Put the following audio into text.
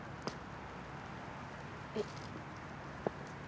えっ。